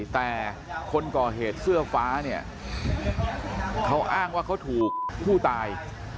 แต่คนก่อเหตุเสื้อฟ้าเนี่ยเขาอ้างว่าเขาถูกผู้ตาย